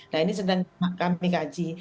nah ini sedang kami kaji